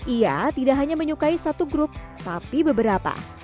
ia tidak hanya menyukai satu grup tapi beberapa